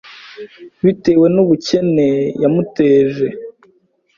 bitewe n’ubukene yamuteje